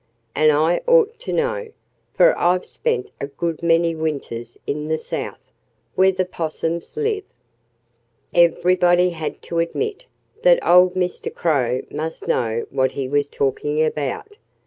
And I ought to know, for I've spent a good many winters in the South, where the 'possums live." Everybody had to admit that old Mr. Crow must know what he was talking about.